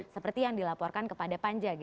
seperti yang dilaporkan kepada panja